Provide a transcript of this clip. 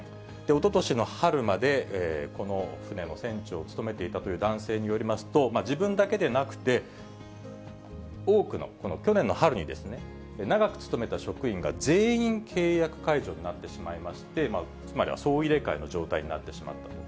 おととしの春までこの船の船長を務めていたという男性によりますと、自分だけでなくて、多くの、去年の春に、長く勤めた職員が、全員契約解除になってしまいまして、つまりは総入れ替えの状態になってしまったと。